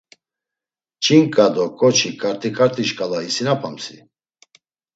Ç̌inǩa do ǩoçi, ǩarti ǩarti şǩala isinapamsi?